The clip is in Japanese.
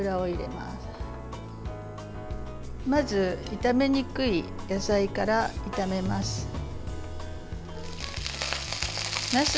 まず炒めにくい野菜から炒めます。